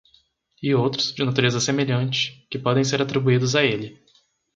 E outros, de natureza semelhante, que podem ser atribuídos a ele.